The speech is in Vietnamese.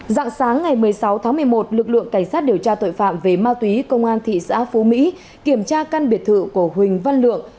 dạng sáng ngày một mươi sáu tháng một mươi một lực lượng cảnh sát điều tra tội phạm về ma túy công an thị xã phú mỹ kiểm tra căn biệt thự của huỳnh văn lượng